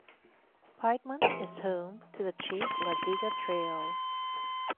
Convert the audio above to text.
Piedmont is home to the Chief Ladiga Trail.